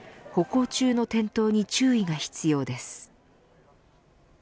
歩行中の転倒に注意が必要です。